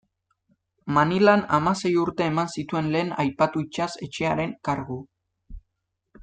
Manilan hamasei urte eman zituen lehen aipatu itsas etxearen kargu.